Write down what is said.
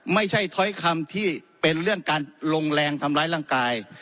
ถ้อยคำที่เป็นเรื่องการลงแรงทำร้ายร่างกาย